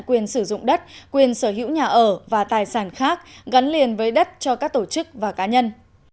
quyền sử dụng đất quyền sở hữu nhà ở và tài sản khác gắn liền với đất cho các tổ chức và cá nhân